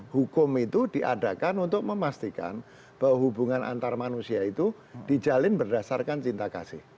hukum itu diadakan untuk memastikan bahwa hubungan antar manusia itu dijalin berdasarkan cinta kasih